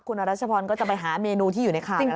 คุณอรัชพรก็จะไปหาเมนูที่อยู่ในข่าว